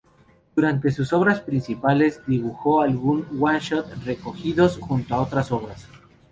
Durante sus obras principales, dibujó algún oneshot, recogidos junto a otras obras.